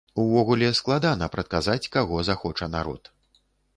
Увогуле, складана прадказаць, каго захоча народ.